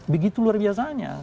begitu luar biasanya